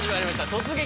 「突撃！